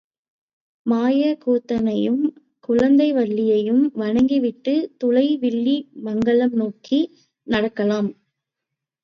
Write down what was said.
மாயக் கூத்தனையும் குளந்தை வல்லியையும் வணங்கி விட்டு துலை வில்லி மங்கலம் நோக்கி நடக்கலாம்.